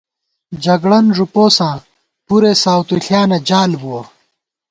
جگڑَن ݫُپوساں ، پُرے ساؤتُݪیانہ جال بُوَہ